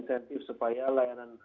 insentif supaya layanan